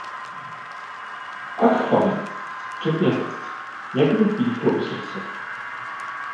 Ach Fany, řeknete, jak mě píchlo u srdce!